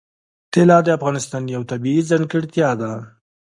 طلا د افغانستان یوه طبیعي ځانګړتیا ده.